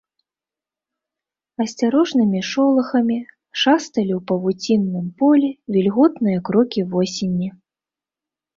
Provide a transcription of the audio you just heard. Асцярожнымі шолахамі шасталі ў павуцінным полі вільготныя крокі восені.